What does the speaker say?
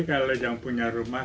kalau yang punya rumah